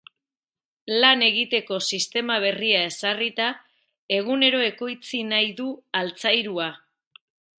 Lan egiteko sistema berria ezarrita, egunero ekoitzi nahi du altzairua.